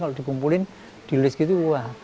kalau dikumpulin diulis gitu wah